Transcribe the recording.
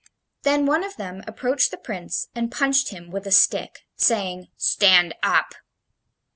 Then one of them approached the Prince and punched him with a stick, saying, "Stand up!"